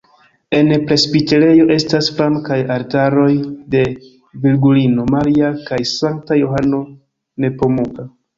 En presbiterejo estas flankaj altaroj de Virgulino Maria kaj Sankta Johano Nepomuka.